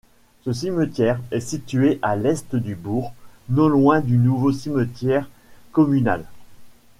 Ce cimetière est situé à l'est du bourg, non loin du nouveau cimetière communal.